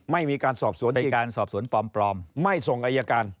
ไม่ส่งอายการ